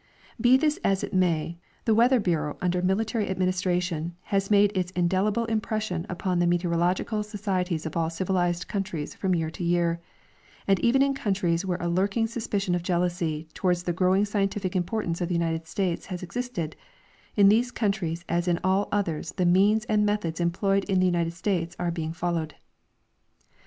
Be this as it may, the Weather bureau under military admin istration has made its indelible impression upon the meteoro logical societies of all civilized countries from year to year ; and even in countries where a lurking suspicion of jealously toward the growing scientific importance of the United States has existed, in these countries as in all others the means and methods employed in the United States are being followed.